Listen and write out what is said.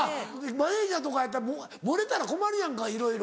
マネジャーとかやったら漏れたら困るやんかいろいろ。